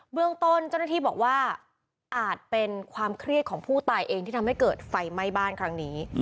เรื่องต้นเจ้าหน้าที่บอกว่าอาจเป็นความเครียดของผู้ตายเองที่ทำให้เกิดไฟไหม้บ้านครั้งนี้